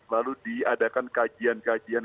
lalu diadakan kajian kajian